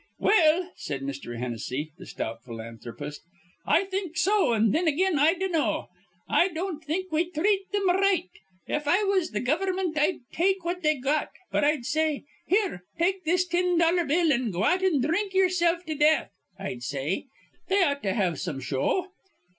"Well," said Mr. Hennessy, the stout philanthropist, "I think so, an' thin again I dinnaw. I don't think we threat thim r right. If I was th' gover'mint, I'd take what they got, but I'd say, 'Here, take this tin dollar bill an' go out an' dhrink ye'ersilf to death,' I'd say. They ought to have some show."